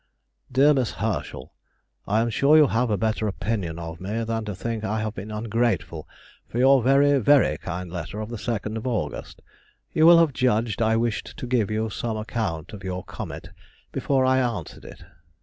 DEAR MISS HERSCHEL,— I am sure you have a better opinion of me than to think I have been ungrateful for your very, very kind letter of the 2nd August. You will have judged I wished to give you some account of your comet before I answered it.